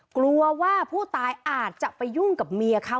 กลัวว่าผู้ตายอาจจะไปยุ่งกับเมียเขา